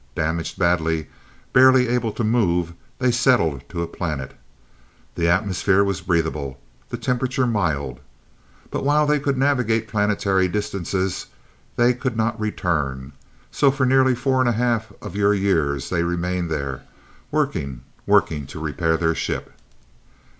Damaged badly, barely able to move, they settled to a planet. The atmosphere was breathable, the temperature mild. But while they could navigate planetary distances, they could not return, so for nearly four and a half of your years they remained there, working, working to repair their ship.